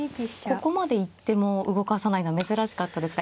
ここまで行っても動かさないのは珍しかったですか。